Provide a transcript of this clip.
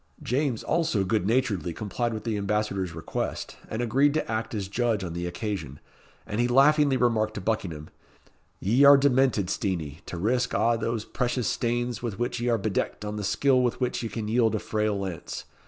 James, also, good naturedly complied with the Ambassador's request, and agreed to act as judge on the occasion; and he laughingly remarked to Buckingham "Ye are demented, Steenie, to risk a' those precious stanes with which ye are bedecked on the skill with which ye can yield a frail lance.